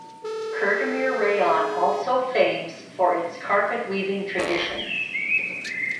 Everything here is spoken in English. Kurdamir Rayon also fames for its carpet weaving traditions.